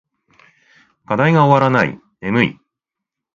課題が終わらない。眠い。